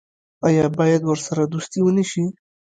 آیا باید ورسره دوستي ونشي؟